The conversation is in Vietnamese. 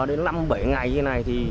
đến năm bảy ngày như thế này